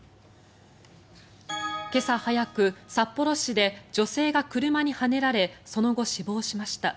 今朝早く札幌市で女性が車にはねられその後、死亡しました。